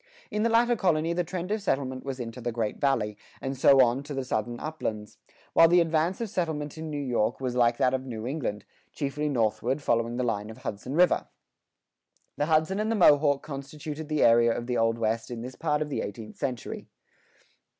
In the latter colony the trend of settlement was into the Great Valley, and so on to the Southern uplands; while the advance of settlement in New York was like that of New England, chiefly northward, following the line of Hudson River. The Hudson and the Mohawk constituted the area of the Old West in this part of the eighteenth century.